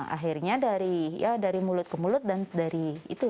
akhirnya dari mulut ke mulut dan dari itu